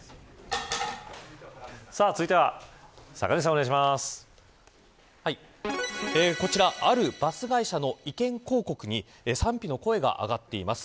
続いてはこちらあるバス会社の意見広告に賛否の声が上がっています。